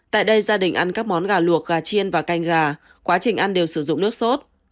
tại đây gia đình ăn các món gà luộc gà chiên và canh gà quá trình ăn đều sử dụng nước sốt